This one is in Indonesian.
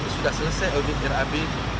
sudah selesai audit rab